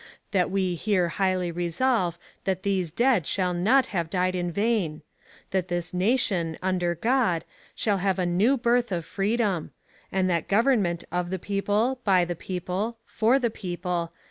.. that we here highly resolve that these dead shall not have died in vain. .. that this nation, under God, shall have a new birth of freedom. .. and that government of the people. . .by the people. . .for the people.